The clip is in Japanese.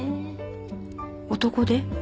男手？